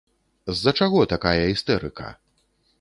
З-за чаго такая істэрыка?